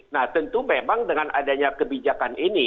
nah tentu memang dengan adanya kebijakan ini